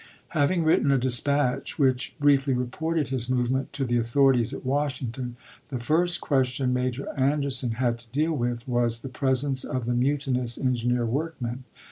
Having written a dispatch which briefly reported his movement to the authorities at Washington, the first question Major Anderson had to deal with was the presence of the mutinous engineer workmen.